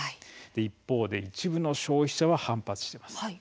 一方で一部の消費者は反発しています。